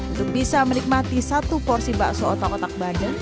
untuk bisa menikmati satu porsi bakso otak otak bandeng